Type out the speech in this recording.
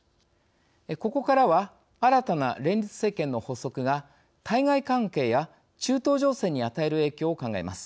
ここからは新たな連立政権の発足が対外関係や中東情勢に与える影響を考えます。